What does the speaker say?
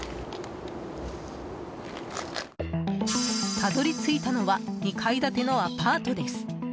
たどり着いたのは２階建てのアパートです。